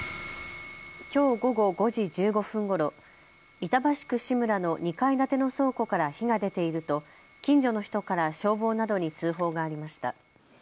きょう午後５時１５分ごろ板橋区志村の２階建ての倉庫から火が出ていると近所の人から消防などに通報がありました。